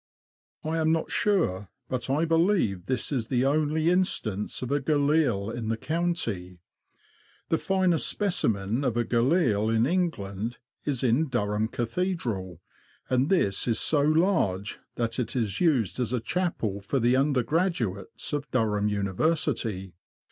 I am not sure, but I believe this is the only instance of a galille in the county. The finest specimen of a galille in England is in Durham Cathedral, and this is so large that it is used as a chapel for the undergraduates of Durham Uni versity.